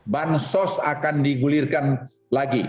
bansos akan digulirkan lagi